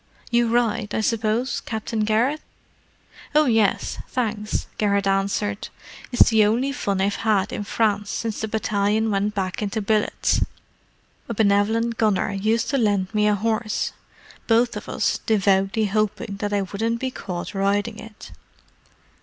You ride, I suppose, Captain Garrett?" "Oh, yes, thanks," Garrett answered. "It's the only fun I've had in France since the battalion went back into billets: a benevolent gunner used to lend me a horse—both of us devoutly hoping that I wouldn't be caught riding it."